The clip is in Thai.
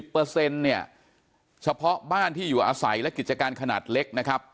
เปอร์เซ็นต์เนี่ยเฉพาะบ้านที่อยู่อาศัยและกิจการขนาดเล็กนะครับ